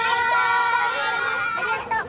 ありがとう。